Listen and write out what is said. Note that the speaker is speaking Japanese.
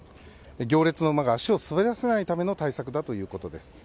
行列の馬が足を滑らせないための対策だということです。